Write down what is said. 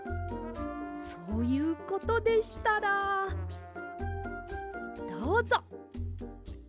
そういうことでしたらどうぞ。